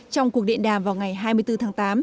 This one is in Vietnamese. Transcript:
trong cuộc điện đàm vào ngày hai mươi bốn tháng tám